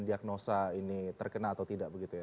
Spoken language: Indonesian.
kemudian mendiagnosa ini terkena atau tidak begitu ya